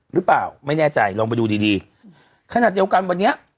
หรือเปล่าไม่แน่ใจลองไปดูดีดีขนาดเดียวกันวันนี้